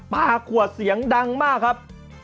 ป้าขวดเสียงดังมากครับ